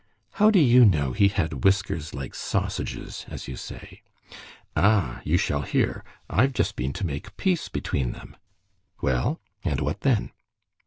"How do you know he had whiskers like sausages, as you say?" "Ah, you shall hear. I've just been to make peace between them." "Well, and what then?"